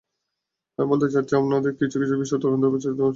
আমি বলতে চাচ্ছি, আপনি কিছু কিছু বিষয় তরুদের ওপর ছেড়ে দিয়ে এসেছেন।